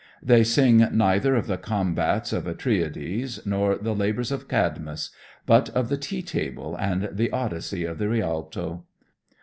They sing neither of the combats of Atriedes nor the labors of Cadmus, but of the tea table and the Odyssey of the Rialto.